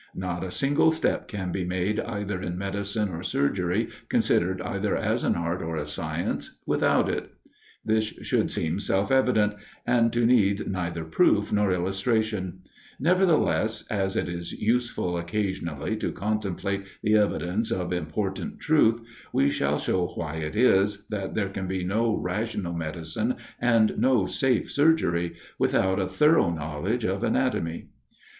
Not a single step can be made either in medicine or surgery, considered either as an art or a science without it. This should seem self evident, and to need neither proof nor illustration: nevertheless, as it is useful occasionally to contemplate the evidence of important truth, we shall show why it is, that there can be no rational medicine, and no safe surgery, without a thorough knowledge of anatomy.